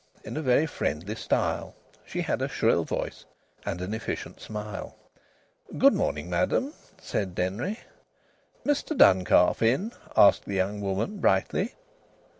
in a very friendly style. She had a shrill voice and an efficient smile. "Good morning, madam," said Denry. "Mr Duncalf in?" asked the young woman brightly.